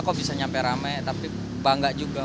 kok bisa nyampe rame tapi bangga juga